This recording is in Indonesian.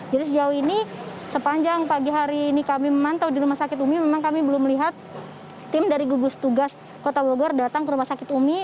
jadi sejauh ini sepanjang pagi hari ini kami memantau di rumah sakit umi memang kami belum melihat tim dari gugus tugas kota bogor datang ke rumah sakit umi